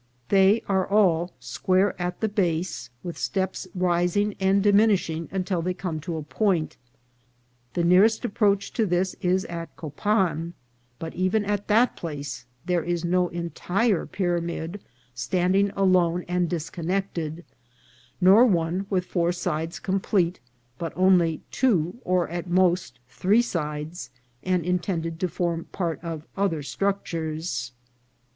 They are all square at the base, with steps rising and diminishing until they come to a point. The nearest approach to this is at Copan ; but even at that place there is no entire pyramid standing alone and disconnected, nor one with four sides complete, but only two, or, at most, three sides, and intended to form part of other structures.